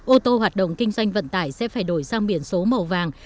ô tô hoạt động kinh doanh vận tải sẽ phải đổi sang biển số màu vàng